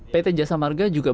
pt jasa marga juga